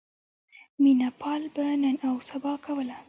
مینه پال به نن اوسبا کوله.